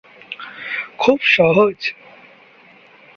খুব সহজ!